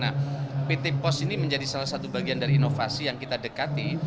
nah pt pos ini menjadi salah satu bagian dari inovasi yang kita dekati